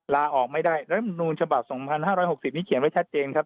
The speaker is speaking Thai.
ลาออกไม่ได้รัฐมนูลฉบับ๒๕๖๐นี้เขียนไว้ชัดเจนครับ